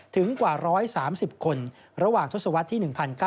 ถึงกว่า๑๓๐คนระหว่างทศวรรษที่๑๙๙